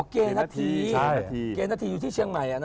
อ๋อเกณฑ์นัทธีอยู่ที่เชียงใหม่อ่ะนะ